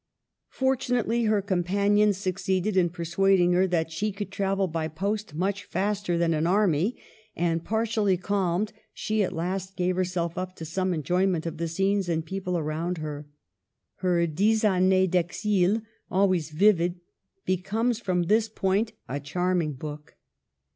Fortunately, her companions succeeded in per suading her that she could travel by post much faster than an army ; and partially calmed, she at last gave herself up to some enjoyment of the scenes and people around her. Her Dix Annies d'Exil, always vivid, becomes from this point a charming book.